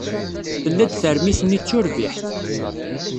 Tella-d termit-nni d turbiḥt.